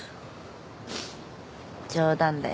冗談だよ。